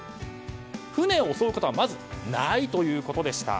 船を襲うことはまずないということでした。